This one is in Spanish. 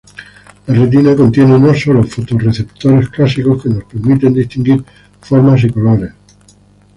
La retina contiene no sólo fotorreceptores clásicos que nos permiten distinguir formas y colores.